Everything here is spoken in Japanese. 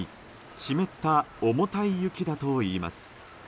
湿った重たい雪だといいます。